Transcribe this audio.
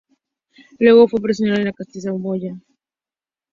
Luego fue una posesión de la Casa de Saboya.